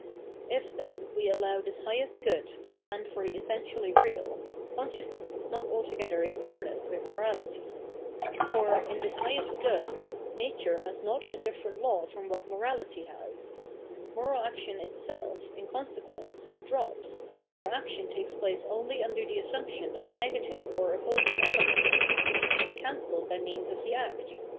620 Dissemhlance If, tten, we allow tMs highest good to stand for the essentially real, conscionsness is not altogether in earnest with morality. For, in this highest good, nature has not a difierent law from what morahty has. Moral action itself, in consequence, drops, for action takes place only under the assumption of a negative or op posing element which is to be cancelled by means of the act.